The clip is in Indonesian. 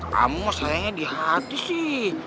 kamu sayangnya di hati sih